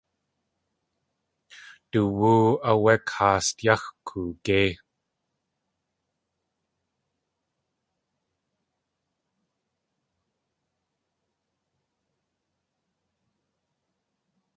Du wóow áwé káast yáx̲ koogéi.